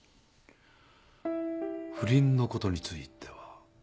不倫の事については？